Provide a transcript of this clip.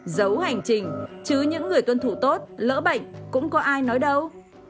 giấu hành trình chứ những người tuân thủ tốt lỡ bệnh cũng có ai nói đâu